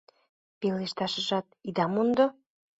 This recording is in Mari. Пелешташыжат ида мондо.